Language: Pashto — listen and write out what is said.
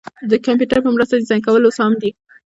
د کمپیوټر په مرسته ډیزاین کول اوس عام دي.